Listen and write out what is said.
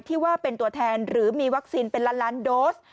ที่ว่าเป็นตัวแทนหรือมีวัคซีนเป็นล้านล้านโดส